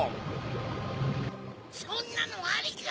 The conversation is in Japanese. そんなのありか？